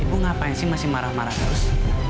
ibu ngapain sih masih marah marah terus